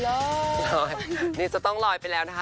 ลอยนี่จะต้องลอยไปแล้วนะคะ